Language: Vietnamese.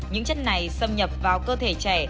những chất này xâm nhập vào cơ thể trẻ